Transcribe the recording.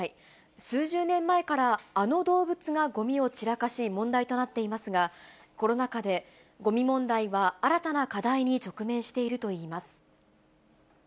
数十年前から、あの動物がごみを散らかし、問題となっていますが、コロナ禍でごみ問題は新たな課題に直面しているといいます。